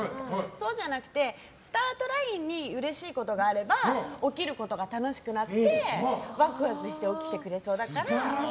そうじゃなくてスタートラインにうれしいことがあれば起きることが楽しくなってわくわくして起きてくれそうだから。